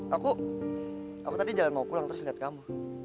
aku aku tadi jalan mau pulang terus lihat kamu